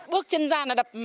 bước chân ra là đặc biệt